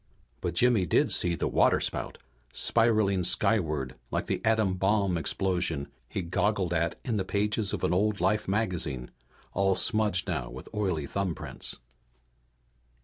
But Jimmy did see the waterspout, spiraling skyward like the atom bomb explosion he'd goggled at in the pages of an old Life magazine, all smudged now with oily thumbprints.